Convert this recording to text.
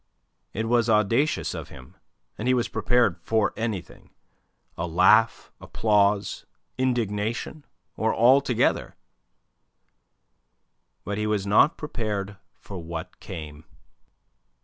It was audacious of him, and he was prepared for anything a laugh, applause, indignation, or all together. But he was not prepared for what came.